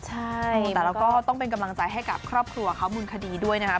ใช่แต่เราก็ต้องเป็นกำลังใจให้กับครอบครัวเขามูลคดีด้วยนะครับ